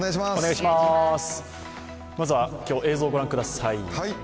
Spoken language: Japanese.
まずは今日、映像をご覧ください。